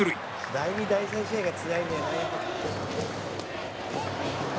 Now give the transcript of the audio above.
「第２・第３試合がつらいんだよね」